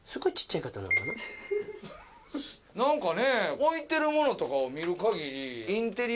何かね置いてるものとかを見る限り。